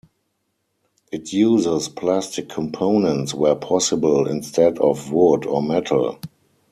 It uses plastic components where possible instead of wood or metal.